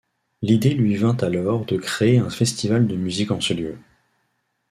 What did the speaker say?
L'idée lui vint alors de créer un festival de musique en ce lieu.